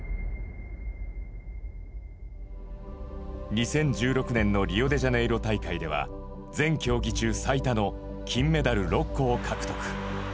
２０１６年のリオデジャネイロ大会では全競技中最多の金メダル６個を獲得。